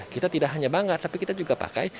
kita tidak hanya banggar tapi kita juga pakai